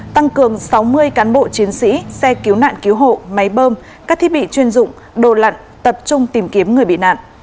tăng cường sáu mươi cán bộ chiến sĩ xe cứu nạn cứu hộ máy bơm các thiết bị chuyên dụng đồ lặn tập trung tìm kiếm người bị nạn